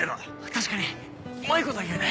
確かにうまいこと言うね。